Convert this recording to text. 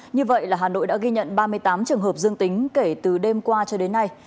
như vậy là hà nội đã ghi nhận ba mươi tám trường hợp dương tính kể từ đêm qua cho đến nay